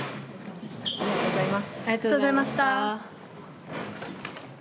ありがとうございます。